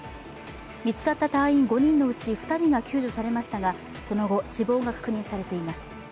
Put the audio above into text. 見つかった隊員５人のうち２人が救助されましたが、その後、死亡が確認されています。